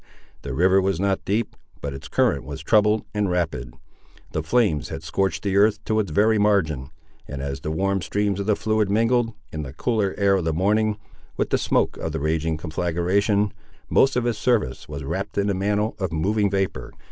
The river was not deep, but its current was troubled and rapid. The flames had scorched the earth to its very margin, and as the warm streams of the fluid mingled, in the cooler air of the morning, with the smoke of the raging conflagration, most of its surface was wrapped in a mantle of moving vapour.